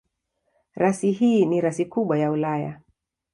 Rasi hii ni rasi kubwa ya Ulaya.